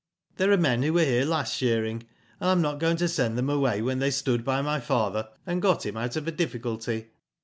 There are men who were here last shearing, and I am not going to send them away when they stood by my father, and got him out of a difficulty."